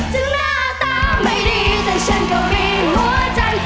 ถึงหน้าตาไม่ดีแต่ฉันก็เบี๋งหัวจัน